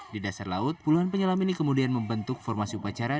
di dasar laut puluhan penyelam ini kemudian membentuk formasi upacara